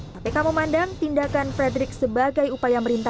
kpk memandang tindakan frederick sebagai upaya merintah